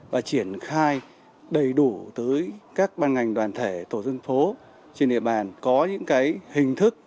và triển khai đầy đủ tới các ban ngành đoàn thể tổ dân phố trên địa bàn có những hình thức